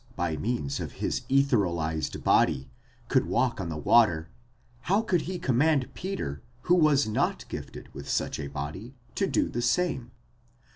_ of his etherealized body, could walk on the water, how could he command Peter, who was not gifted with such a body, to do the same?